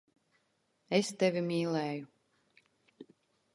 Es tevi mīlēju.